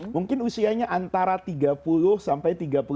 mungkin usianya antara tiga puluh sampai tiga puluh